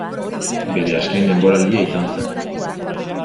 Bere azken denboraldia izan zen.